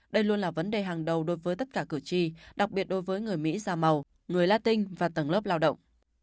đây luôn là vấn đề hàng đầu đối với tất cả cử tri đặc biệt đối với người mỹ già màu người latin và tầng lớp lao động